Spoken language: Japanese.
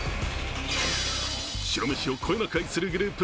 白めしをこよなく愛するグループ